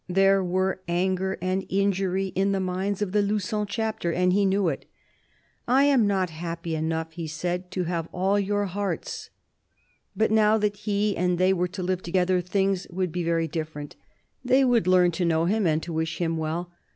There were anger and injury in the minds of the Lugon Chapter, and he knew it. " I am not happy enough," he said, " to have all your hearts." But now that he and they were to live together, things would be very different. They would learn to know him, and to wish him well.